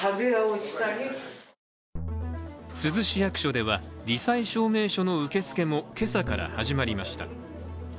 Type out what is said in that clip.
珠洲市役所ではり災証明書の受付も今朝から始まりました。